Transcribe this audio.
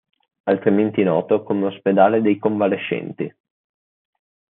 Altrimenti noto come Ospedale dei Convalescenti.